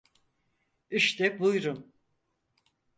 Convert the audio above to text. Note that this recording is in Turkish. İşte buyrun.